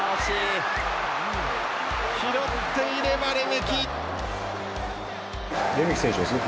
拾っていれば、レメキ。